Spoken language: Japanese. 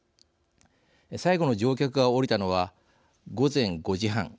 最後の乗客が降りたのは午前５時半。